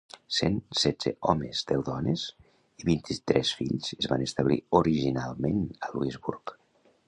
Cent setze homes, deu dones i vint-i-tres fills es van establir originalment a Louisbourg.